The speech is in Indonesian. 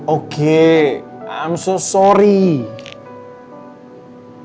aku mau pergi bu